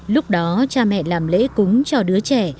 lúc đó cha mẹ làm lễ cúng cho đứa trẻ